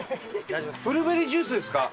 ブルーベリージュースですか？